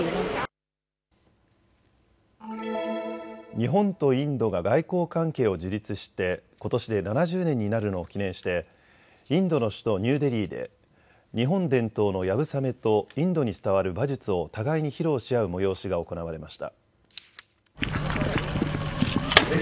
日本とインドが外交関係を樹立してことしで７０年になるのを記念してインドの首都ニューデリーで日本伝統のやぶさめとインドに伝わる馬術を互いに披露し合う催しが行われました。